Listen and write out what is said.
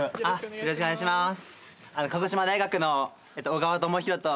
よろしくお願いします。